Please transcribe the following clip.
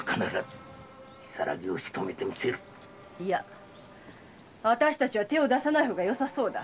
いやあたし達は手を出さない方がよさそうだ。